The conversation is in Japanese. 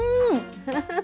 フフフッ。